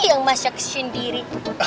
yang masak sendiri